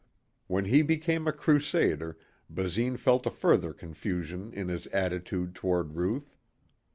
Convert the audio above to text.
When he became a crusader Basine felt a further confusion in his attitude toward Ruth.